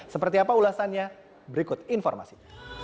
seperti apa ulasannya berikut informasinya